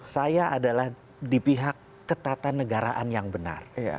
saya adalah di pihak ketatan negaraan yang benar